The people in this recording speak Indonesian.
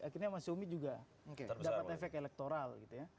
akhirnya mas yumi juga dapat efek elektoral